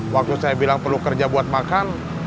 waktu saya bilang perlu kerja buat makan